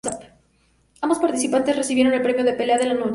Ambos participantes recibieron el premio de "Pelea de la Noche".